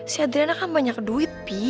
si adriana kan banyak duit